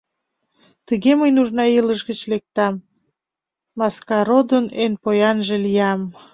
Тыге мый нужна илыш гыч лектам, Маскародын эн поянже лиям».